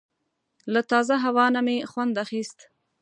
له تازه هوا نه مې خوند اخیست.